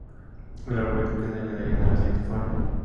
El alfabeto quedaría de la siguiente forma.